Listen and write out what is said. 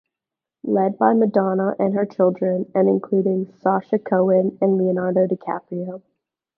Led by Madonna and her children, and including Sasha Cohen, and Leonardo DiCaprio.